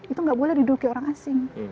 itu nggak boleh diduduki orang asing